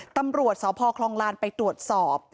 ตำรวจสพคลองลานไปตรวจสอบ